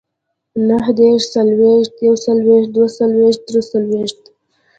نههدېرش، څلوېښت، يوڅلوېښت، دوهڅلوېښت، دريڅلوېښت